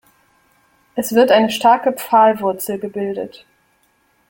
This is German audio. Es wird eine starke Pfahlwurzel gebildet.